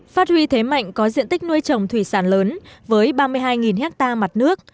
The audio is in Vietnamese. phát huy thế mạnh có diện tích nuôi trồng thủy sản lớn với ba mươi hai ha mặt nước